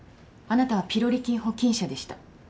あなたはピロリ菌保菌者でした。